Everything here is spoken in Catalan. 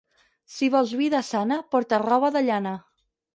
Si vols vida sana, porta roba de llana.